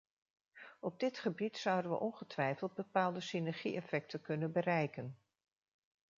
Op dit gebied zouden we ongetwijfeld bepaalde synergie-effecten kunnen bereiken.